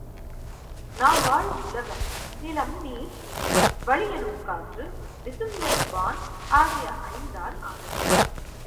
நாம் வாழும் உலகம் நிலம், நீர், தீ, வளி யெனும் காற்று, விசுபெனும் வான் ஆகிய ஐந்தால் ஆனது.